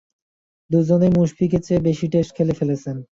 দুজনই মুশফিকের চেয়ে বেশি টেস্ট খেলে ফেলেছেন।